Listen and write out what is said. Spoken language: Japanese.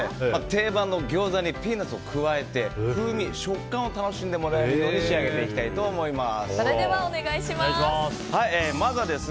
定番のギョーザにピーナツを加えて風味、食感を楽しんでもらえるようにそれではお願いします。